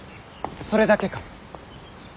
それだけか？